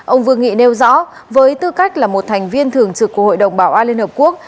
ông vương nghị nêu rõ với tư cách là một thành viên thường trực của hội đồng bảo an liên hợp quốc